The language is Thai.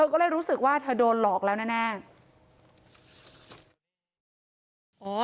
ก็เลยรู้สึกว่าเธอโดนหลอกแล้วแน่